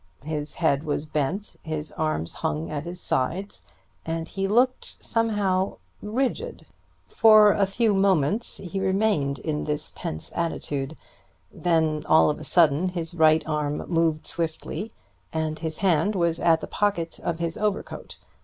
His head was bent, his arms hung at his sides, and he looked somehow ... rigid. For a few moments he remained in this tense attitude; then all of a sudden his right arm moved swiftly, and his hand was at the pocket of his overcoat.